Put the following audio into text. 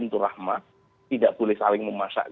untuk rahmah tidak boleh saling